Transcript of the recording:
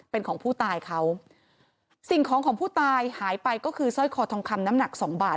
เป็นของผู้ตายเขาสิ่งของของผู้ตายหายไปก็คือสร้อยคอทองคำน้ำหนักสองบาท